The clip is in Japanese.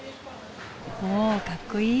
おおかっこいい！